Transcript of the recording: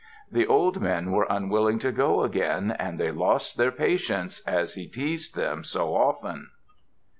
The old men were unwilling to go again, and they lost their patience, as he teased them so often.